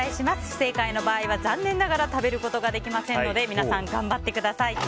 不正解の場合は、残念ながら食べることができませんので皆さん頑張ってください。